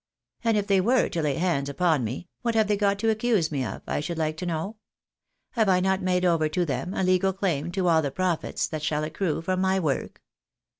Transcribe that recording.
And if they were to lay hands upon me, what have they got to accuse me of, I should like to know ? tlave I not made over to them a legal claim to all the profits that shall accrue from my work